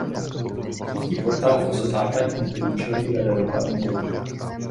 Třetí portál v ose západního průčelí vede do hlavní lodi.